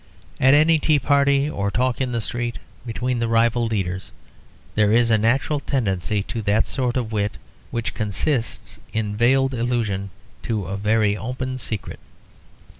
At any tea party or talk in the street, between the rival leaders, there is a natural tendency to that sort of wit which consists in veiled allusion to a very open secret.